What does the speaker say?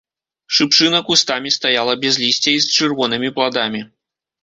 Шыпшына кустамі стаяла без лісця і з чырвонымі пладамі.